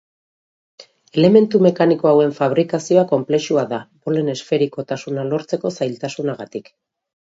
Elementu mekaniko hauen fabrikazioa konplexua da, bolen esferikotasuna lortzeko zailtasunagatik.